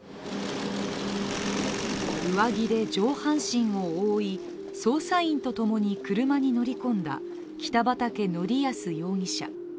上着で上半身を覆い捜査員と共に車に乗り込んだ北畠成文容疑者。